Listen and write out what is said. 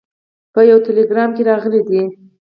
په یوه ټلګرام کې راغلي دي.